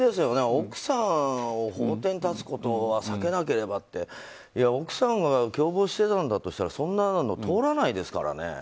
奥さんが法廷に立つことは避けなければって奥さんが共謀してたんだとしたらそんなの、通らないですからね。